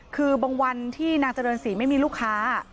คือบางวันที่นางเจริญศรีไม่มีลูกค้า